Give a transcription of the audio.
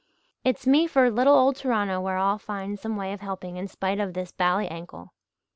It's me for little old Toronto where I'll find some way of helping in spite of this bally ankle.